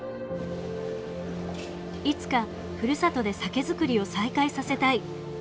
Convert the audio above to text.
いつかふるさとで酒造りを再開させたい。